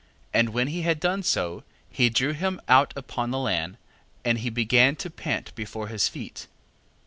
And when he had done so, he drew him out upon the land, and he began to pant before his feet.